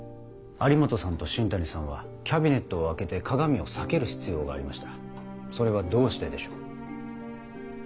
有本さんと新谷さんはキャビネットを開けて鏡を避ける必要がありましたそれはどうしてでしょう？